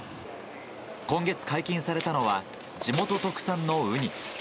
今月解禁されたのは、地元特産のウニ。